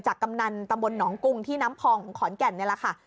จากกำนันตะบนหนองกุงที่น้ำพองขอนแก่นเนี่ยล่ะค่ะ